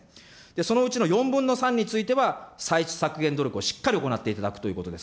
そのうちの４分の３については、歳出削減努力をしっかり行っていただくということです。